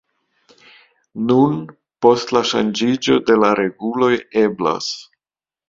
Nun, post la ŝanĝiĝo de la reguloj eblas.